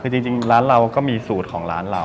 คือจริงร้านเราก็มีสูตรของร้านเรา